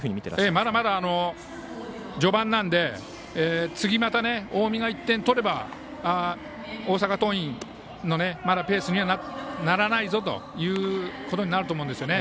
まだまだ序盤なので次、また近江が１点取れば大阪桐蔭のペースにはまだならないぞということになると思うんですね。